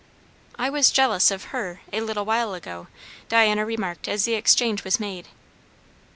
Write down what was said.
"I was jealous of her, a little while ago," Diana remarked as the exchange was made.